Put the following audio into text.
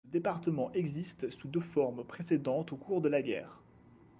Ce département existe sous deux formes précédentes au cours de la guerre.